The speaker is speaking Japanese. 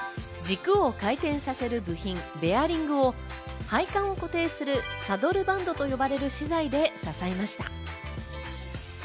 軸を回転させる部品・ベアリングを配管を固定するサドルバンドと呼ばれる資材で支えました。